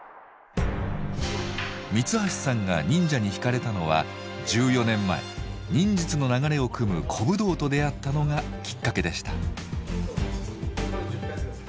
三橋さんが忍者に惹かれたのは１４年前忍術の流れをくむ古武道と出会ったのがきっかけでした。